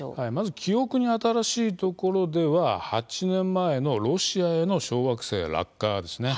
記憶に新しいところでは８年前のロシアへの小惑星落下です。